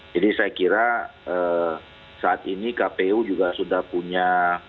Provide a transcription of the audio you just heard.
jadi saya kira saat ini kpu juga sudah punya